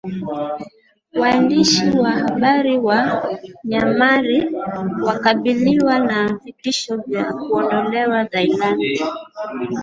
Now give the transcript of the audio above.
Waandishi wa Habari wa Myanmar wakabiliwa na vitisho vya kuondolewa Thailand